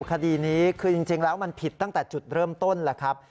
คดีนี้คือจริงแล้วมันผิดตั้งแต่จุดเริ่มต้นแหละครับ